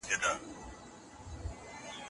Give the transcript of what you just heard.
باسواده خاوند خپله بيسواده ميرمن نسي باسواده کولای